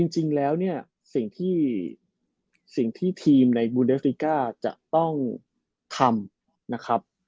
จริงแล้วเนี่ยสิ่งที่สิ่งที่ทีมในบูเดฟริก้าจะต้องทำนะครับ